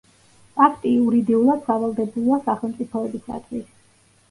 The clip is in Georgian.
პაქტი იურიდიულად სავალდებულოა სახელმწიფოებისათვის.